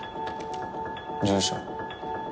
住所。